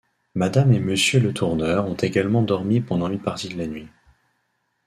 Madame et Monsieur Letourneur ont également dormi pendant une partie de la nuit.